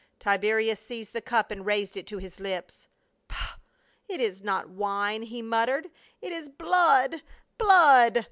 *" Tiberius seized the cup and raised it to his lips. " Pah, it is not wine," he muttered, "it is blood — blood.